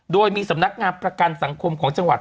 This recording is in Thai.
โดยมีสำนักงานประกันสังคมของจังหวัด